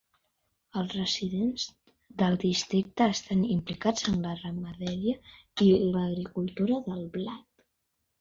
Els residents del districte estan implicats en la ramaderia i l'agricultura del blat.